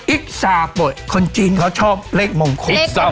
ซาปลดคนจีนเขาชอบเลขมงคล